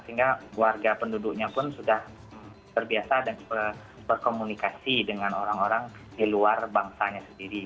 sehingga warga penduduknya pun sudah terbiasa dan berkomunikasi dengan orang orang di luar bangsanya sendiri